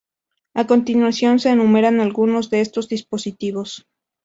A continuación, se enumeran algunos de estos dispositivos.